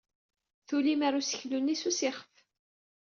Tulim ar useklu-nni s usixef.